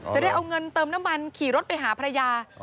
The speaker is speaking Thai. จะเอาเงินเติมน้ำมันขี่รถไปหาภรรยา